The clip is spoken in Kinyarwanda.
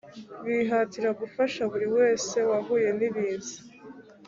bihatira gufasha buri wese wahuye nibiza